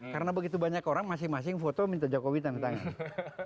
karena begitu banyak orang masing masing foto minta jokowi tangan tangan